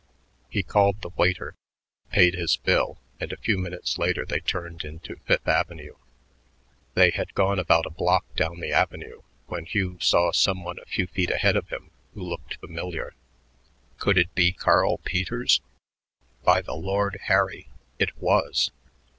He called the waiter, paid his bill, and a few minutes later they turned into Fifth Avenue. They had gone about a block down the avenue when Hugh saw some one a few feet ahead of him who looked familiar. Could it be Carl Peters? By the Lord Harry, it was!